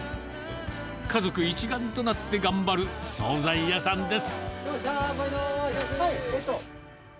家族一丸となって頑張る総菜屋さんです。